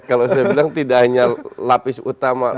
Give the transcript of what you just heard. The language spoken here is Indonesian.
kalau saya bilang tidak hanya lapis utama